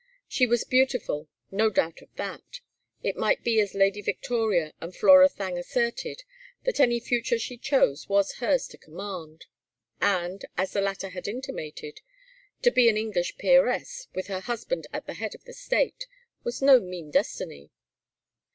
She was beautiful, no doubt of that; it might be as Lady Victoria and Flora Thangue asserted, that any future she chose was hers to command; and, as the latter had intimated, to be an English peeress, with her husband at the head of the state, was no mean destiny.